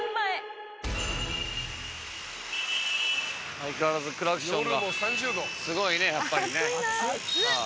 相変わらずクラクションがすごいねやっぱりね。